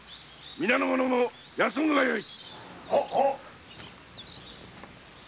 皆の者も休むがよい。